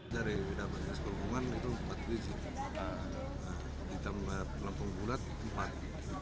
yang kurang ditambah sekarang ya